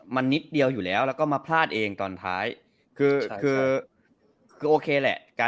มันนิดเดียวอยู่แล้วแล้วก็มาพลาดเองตอนท้ายคือคือโอเคแหละ